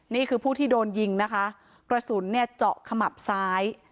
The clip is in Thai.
นี่คือผู้ที่โดนยิงนะคะกระสุนเนี่ยเจาะขมับซ้าย